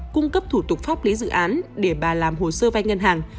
cung cấp thủ tục pháp lý dự án để bà làm hồ sơ vai ngân hàng